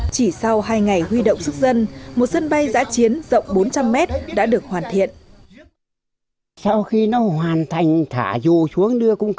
chỉ sau hai ngày huy động sức dân một sân bay giã chiến rộng bốn trăm linh mét đã được hoàn thiện